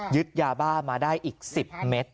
ยาบ้ามาได้อีก๑๐เมตร